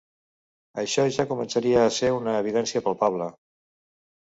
Això ja començaria a ser una evidència palpable.